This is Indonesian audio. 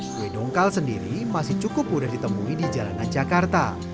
kue dongkal sendiri masih cukup mudah ditemui di jalanan jakarta